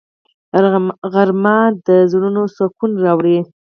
غرمه د زړونو سکون راوړي